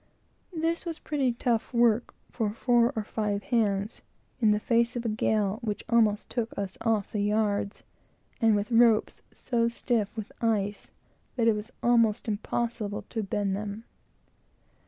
This was pretty tough work for four or five hands, in the face of a gale which almost took us off the yards, and with ropes so stiff with ice that it was almost impossible to bend them.